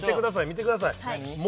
見てください何？